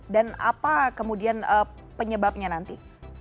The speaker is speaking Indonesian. apa kemudian penyebabnya nanti